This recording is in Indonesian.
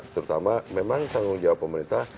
terutama memang tanggung jawab pemerintah